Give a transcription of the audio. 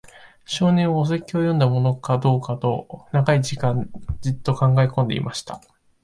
少年は、お説教を読んだものかどうかと、長い間じっと考えこんでいました。